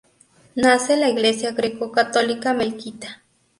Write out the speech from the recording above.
Nace la Iglesia greco-católica melquita.